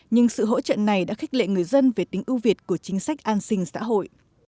nhưng sự hỗ trợ này đã khích lệ người dân về tính ưu việt của chính sách an sinh xã hội